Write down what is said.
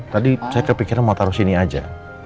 tadi saya kepikiran mau taruh sini aja